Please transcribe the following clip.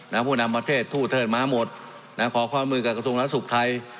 น้ำผู้นำประเทศทู่ท่ามาหมดน่ะขอขอมือกับกระทุ่งรัฐศูนย์ไทย